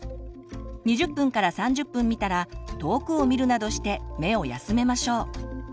２０３０分見たら遠くを見るなどして目を休めましょう。